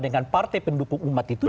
dengan partai pendukung umat itu